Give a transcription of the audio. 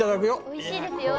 おいしいですよ。